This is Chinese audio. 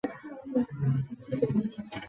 流经稻城县城。